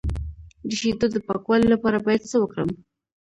د شیدو د پاکوالي لپاره باید څه وکړم؟